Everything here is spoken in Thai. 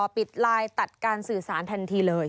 ปิดไลน์ตัดการสื่อสารทันทีเลย